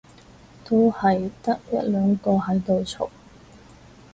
都係得一兩個喺度嘈